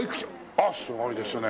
あっすごいですね。